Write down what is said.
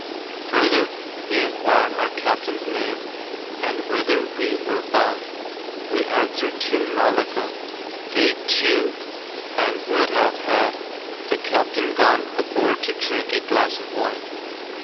Further he enquired our Captain's name and whither wee were bound. Wee answered to Mallacca. They too and [would have] had the Captain gone aboard to drink a glass of wine.